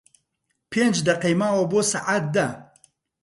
پێنج دەقەی ماوە بۆ سەعات دە.